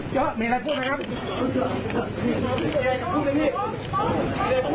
ก็มีอะไรพูดไหมครับ